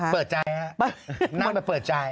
เปิดใจนั่งไปเปิดใจ